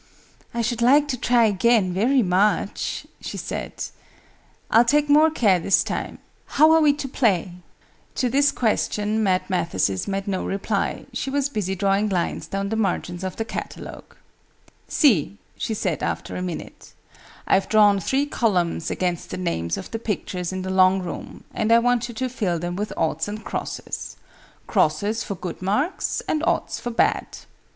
"I should like to try again, very much," she said. "I'll take more care this time. How are we to play?" To this question Mad Mathesis made no reply: she was busy drawing lines down the margins of the catalogue. "See," she said after a minute, "I've drawn three columns against the names of the pictures in the long room, and I want you to fill them with oughts and crosses crosses for good marks and oughts for bad.